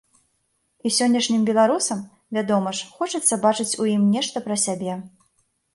І сённяшнім беларусам, вядома ж, хочацца бачыць у ім нешта пра сябе.